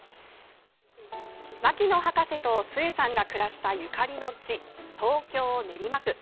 牧野博士と壽衛さんが暮らしたゆかりの地東京・練馬区。